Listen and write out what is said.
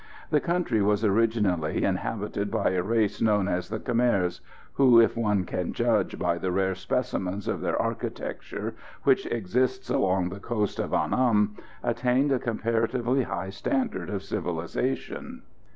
The country was originally inhabited by a race known as the Kmers, who, if one can judge by the rare specimens of their architecture which exist along the coast of Annam, attained a comparatively high standard of civilisation.